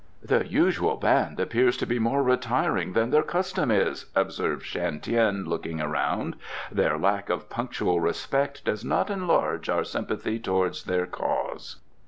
"The usual band appears to be more retiring than their custom is," observed Shan Tien, looking around. "Their lack of punctual respect does not enlarge our sympathy towards their cause."